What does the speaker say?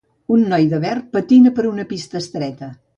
Un noi de verd patina per una pista estreta.